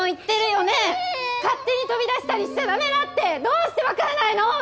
勝手に飛び出したりしちゃ駄目だってどうしてわからないの！